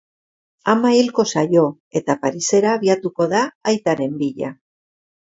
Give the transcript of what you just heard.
Ama hilko zaio, eta Parisera abiatuko da aitaren bila.